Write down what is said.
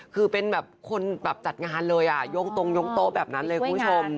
คือเป็นแบบคนจัดงานเลยโย่งตรงโย่งโตแบบนั้นเลยคุณผู้ชม